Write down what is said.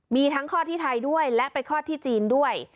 มีทั้งคลอดที่ไทยด้วยและไปคลอดที่จีนด้วย